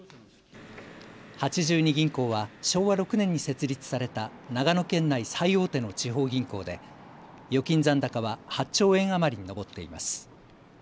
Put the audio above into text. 八十二銀行は昭和６年に設立された長野県内、最大手の地方銀行で預金残高は８兆円余りに上っています。